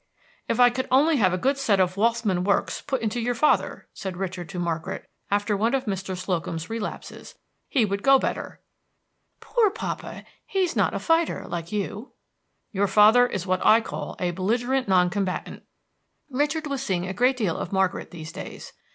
"If I could only have a good set of Waltham works put into your father," said Richard to Margaret, after one of Mr. Slocum's relapses, "he would go better." "Poor papa! he is not a fighter, like you." "Your father is what I call a belligerent non combatant." Richard was seeing a great deal of Margaret these days. Mr.